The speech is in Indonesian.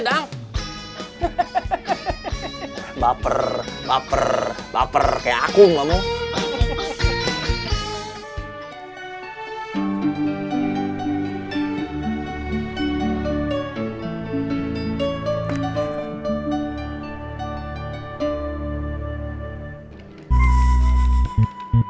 dang hehehe baper baper baper kaya aku ngomong hahaha